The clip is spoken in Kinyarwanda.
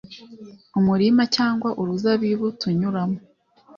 umurima cyangwa uruzabibu tunyuramo